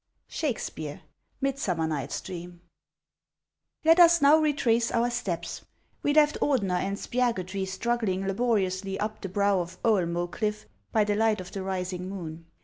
SHAKESPEARE: Midsummer Night's Drc/im. LET us now retrace our steps. We left Ordener and Spiagudry struggling laboriously up the brow of Oe'lmce cliff by the light of the rising moon.